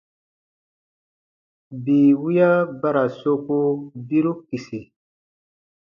Bii wiya ba ra soku biru kisi.